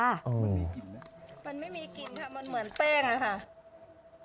มันไม่มีกลิ่นค่ะมันเหมือนแป้งค่ะ